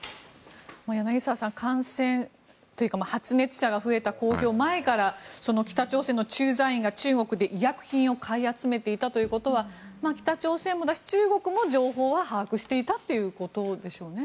柳澤さん、感染というか発熱者が増えた公表前からその北朝鮮の駐在員が中国で医薬品を買い集めていたということは北朝鮮もだし中国も情報は把握していたということでしょうね。